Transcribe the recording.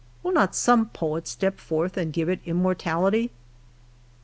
Will not some poet step forth and give it immor tality?